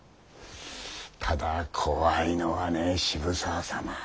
ただ怖いのはね渋沢様。